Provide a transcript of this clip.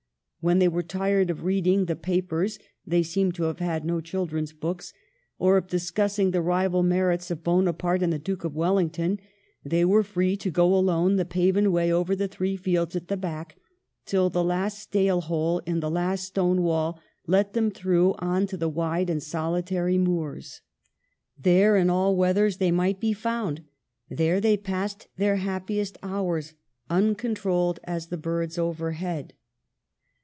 When they were tired of reading the papers (they seemed to have had no children's books), or of discussing the rival merits of Bonaparte and the Duke of Wellington, they were free to go along the paven way over the three fields at the back, till the last steyle hole in the last stone wall let them through on to the wide and solitary moors. There in all weathers they might be found ; there they passed their happi est hours, uncontrolled as the birds overhead. BABYHOOD.